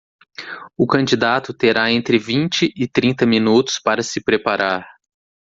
O candidato terá entre vinte e trinta minutos para se preparar.